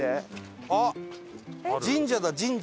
あっ神社だ神社！